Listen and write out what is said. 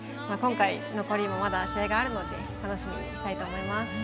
今回、残りもまだ試合があるので楽しみにしたいと思います。